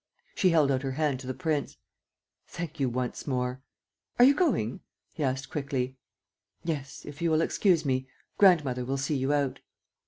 She held out her hand to the prince: "Thank you once more. ..." "Are you going?" he asked quickly. "Yes, if you will excuse me; grandmother will see you out."